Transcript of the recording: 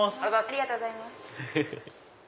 ありがとうございます。